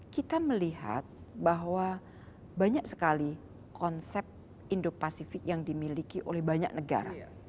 kita melihat bahwa banyak sekali konsep indo pasifik yang dimiliki oleh banyak negara